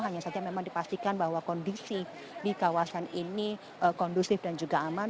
hanya saja memang dipastikan bahwa kondisi di kawasan ini kondusif dan juga aman